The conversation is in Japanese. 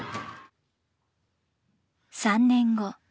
３年後。